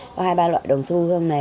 có hai ba loại đồng xu